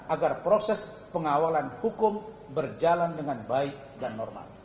agar proses pengawalan hukum berjalan dengan baik dan normal